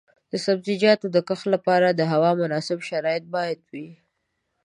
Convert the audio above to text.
د سبزیجاتو د کښت لپاره د هوا مناسب شرایط باید وي.